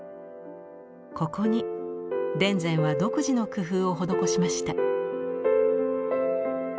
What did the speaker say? ここに田善は独自の工夫を施しました。